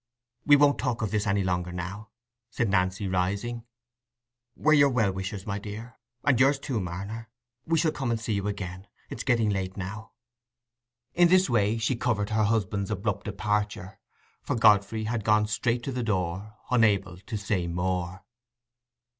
"We won't talk of this any longer now," said Nancy, rising. "We're your well wishers, my dear—and yours too, Marner. We shall come and see you again. It's getting late now." In this way she covered her husband's abrupt departure, for Godfrey had gone straight to the door, unable to say more.